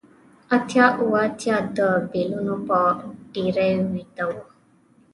اتیا اوه اتیا د بیلونو په ډیرۍ ویده و